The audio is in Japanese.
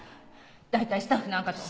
大体スタッフなんかと。